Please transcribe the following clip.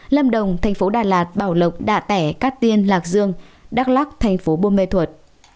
lâm đồng thành phố đà lạt bảo lộc đạ tẻ cát tiên lạc dương đắk lắc thành phố bôn mê thuật